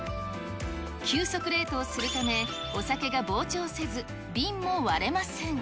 急速冷凍するため、お酒が膨張せず、瓶も割れません。